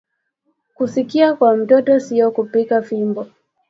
Kusikia kwa mtoto siyo kupika fimbo